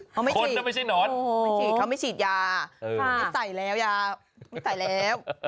เขาไม่ฉีดไม่ฉีดยาไม่ใส่แล้วยาไม่ใส่แล้ว